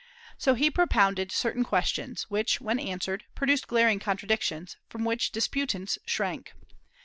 So he propounded certain questions, which, when answered, produced glaring contradictions, from which disputants shrank.